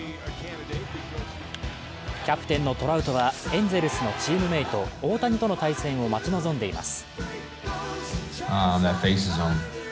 キャプテンのトラウトはエンゼルスのチームメート、大谷との対戦を待ち望んでいます。